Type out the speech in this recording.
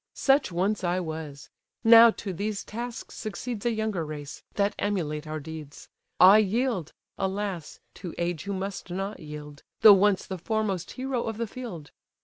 Such once I was! Now to these tasks succeeds A younger race, that emulate our deeds: I yield, alas! (to age who must not yield?) Though once the foremost hero of the field.